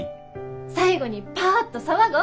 最後にパッと騒ごう。